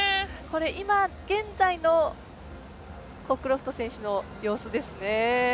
今現在のコックロフト選手の様子です。